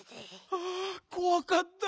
ああこわかった。